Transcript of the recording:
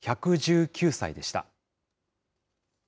１１９歳でした。